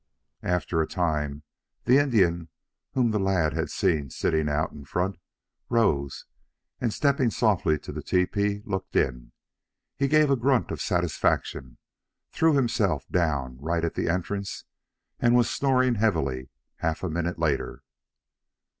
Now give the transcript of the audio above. After a time the Indian whom the lad had seen sitting out in front rose, and, stepping softly to the tepee, looked in. He gave a grunt of satisfaction, threw himself down right at the entrance and was snoring heavily half a minute later.